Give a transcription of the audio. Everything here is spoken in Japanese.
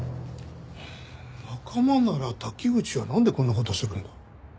仲間なら滝口はなんでこんな事をするんだ？